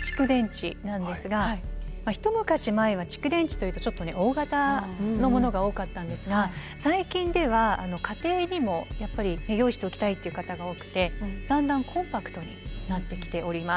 蓄電池なんですが一昔前は蓄電池というとちょっと大型のものが多かったんですが最近では家庭にもやっぱり用意しておきたいっていう方が多くてだんだんコンパクトになってきております。